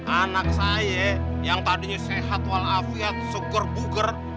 anak saya yang tadinya sehat walafiat suker buger